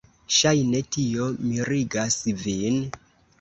Ŝajne tio mirigas vin.